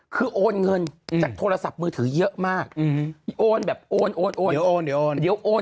คือโอนเงินจากโทรศัพท์มือถือเยอะมากโอนแบบโอนโอนโอนเดี๋ยวโอนเดี๋ยวโอน